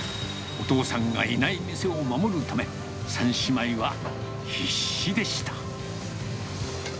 お父さんがいない店を守るため、３姉妹は必死でした。